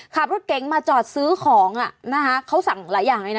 ขับรถเก๋งมาจอดซื้อของอ่ะนะคะเขาสั่งหลายอย่างเลยนะ